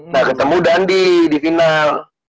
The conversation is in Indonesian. nah ketemu dandi di final